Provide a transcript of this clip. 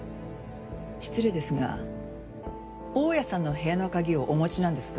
失礼ですが大家さんの部屋の鍵をお持ちなんですか？